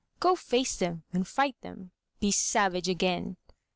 Go face them and fight them, Be savage again.